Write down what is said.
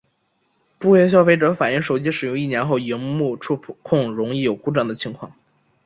部份消费者反应手机使用一年后萤幕触控容易有故障的情况。